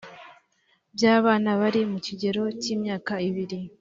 by abana bari mu kigero cy imyaka ibiri